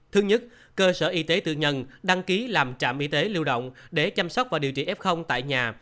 thứ nhất cơ sở y tế tư nhân đăng ký làm trạm y tế lưu động để chăm sóc và điều trị f tại nhà